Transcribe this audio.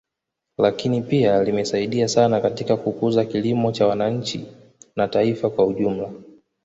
Lakini pia limesaidia sana katika kukuza kilimo kwa wananchi na taifa kwa ujumla